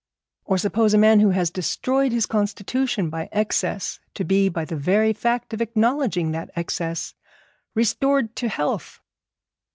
Or suppose a man who has destroyed his constitution by excess to be by the very fact of acknowledging that excess restored to health.